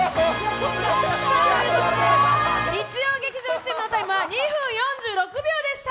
日曜劇場チームのタイムは２分４６秒でした。